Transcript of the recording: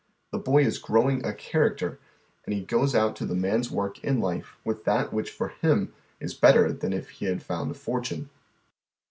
The boy is "growing" a character, and he goes out to the man's work in life with that which for him is better than if he had found a fortune.